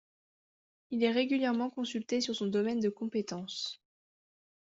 Il est régulièrement consulté sur son domaine de compétence.